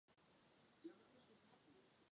Silnice vede kolem obory.